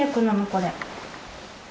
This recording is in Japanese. これ。